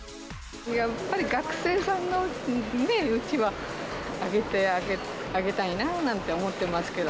やっぱり学生さんのうちはあげたいななんて思ってますけど。